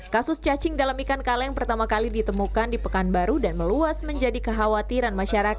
kasus cacing dalam ikan kaleng pertama kali ditemukan di pekanbaru dan meluas menjadi kekhawatiran masyarakat